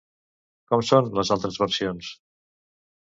Com són les altres versions?